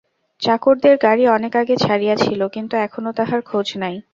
চাকরদের গাড়ি অনেক আগে ছাড়িয়াছিল, কিন্তু এখনো তাহার খোঁজ নাই।